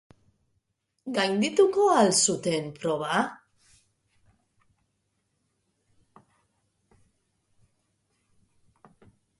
Gaindituko al zuten proba?